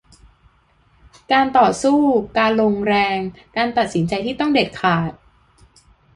การต่อสู้ การลงแรง การตัดสินใจที่ต้องเด็ดขาด